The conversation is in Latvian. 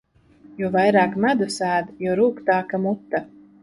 Jo vairāk medus ēd, jo rūgtāka mute.